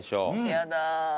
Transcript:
やだ。